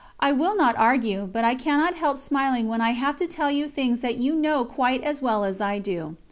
I will not argue, but I cannot help smiling when I have to tell you things that you know quite as well as I do.